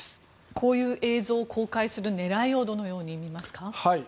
こういう映像を公開する狙いをどのように見ますか？